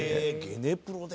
ゲネプロで」